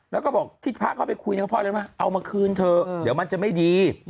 แล้วก็บอกที่พระเข้าไปคุยกับพ่อแล้วนะเอามาคืนเถอะเดี๋ยวมันจะไม่ดี